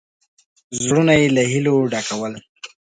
زړونه یې له هیلو ډکول.